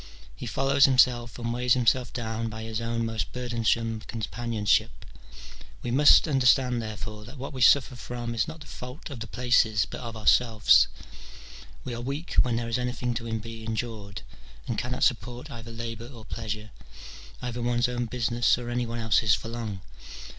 he follows himself and weighs himself down by his own most burdensome companionship. We must understand, therefore, that what we suffer from is not the fault of the places but of ourselves : we are weak when there is anything to be endured, and cannot support either labour or pleasure, either one's own business or any one else's for long.